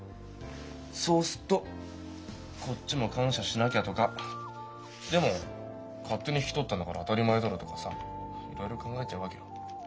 そうすっとこっちも感謝しなきゃとかでも勝手に引き取ったんだから当たり前だろとかさいろいろ考えちゃうわけよ。